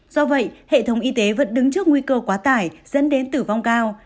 do vậy hệ thống y tế vẫn đứng trước nguy cơ quá tải dẫn đến tử vong cao